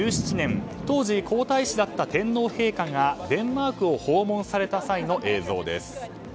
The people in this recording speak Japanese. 当時、皇太子だった天皇陛下がデンマークを訪問された際の映像です。